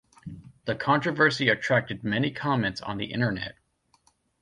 The controversy attracted many comments on the internet.